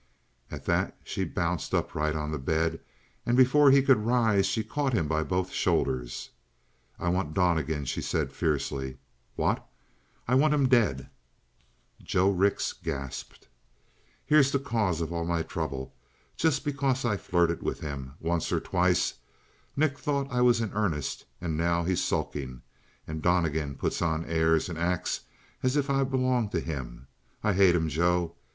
At that she bounced upright on the bed, and before he could rise she caught him by both shoulders. "I want Donnegan," she said fiercely. "What?" "I want him dead!" Joe Rix gasped. "Here's the cause of all my trouble. Just because I flirted with him once or twice, Nick thought I was in earnest and now he's sulking. And Donnegan puts on airs and acts as if I belonged to him. I hate him, Joe.